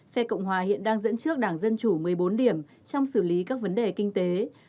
phe cộng hòa hiện đang dẫn trước đảng dân chủ một mươi bốn điểm trong xử lý các vấn đề kinh tế